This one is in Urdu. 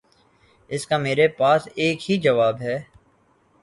اس کا میرے پاس ایک ہی جواب ہے۔